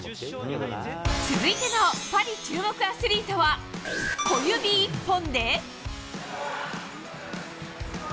続いてのパリ注目アスリートは、小指一本で。